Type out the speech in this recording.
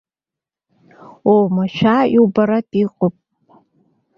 Уамашәа иубартә иҟоуп.